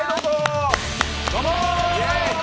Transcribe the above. どうも。